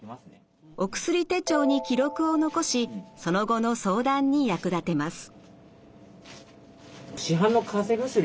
お薬手帳に記録を残しその後の相談に役立てます。